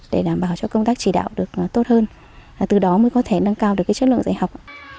để đảm bảo cho công tác chỉ đạo được tốt hơn từ đó mới có thể nâng cao được chất lượng dạy học